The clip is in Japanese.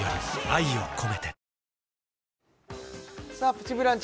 「プチブランチ」